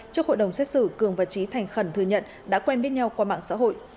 trước hội đồng xét xử cường và trí thành khẩn thừa nhận đã quen biết nhau qua mạng xã hội